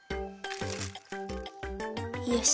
よし。